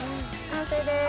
完成です。